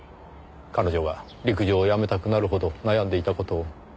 彼女が陸上をやめたくなるほど悩んでいた事を。